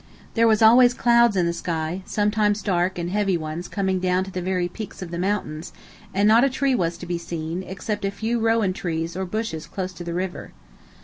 There was always clouds in the sky, sometimes dark and heavy ones coming down to the very peaks of the mountains, and not a tree was to be seen, except a few rowan trees or bushes close to the river.